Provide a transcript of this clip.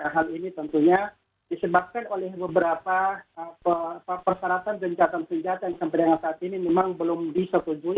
hal ini tentunya disebabkan oleh beberapa persyaratan gencatan senjata yang sampai dengan saat ini memang belum disetujui